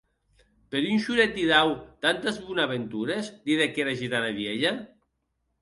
Per un solet didau tantes bonaventures?, didec era gitana vielha.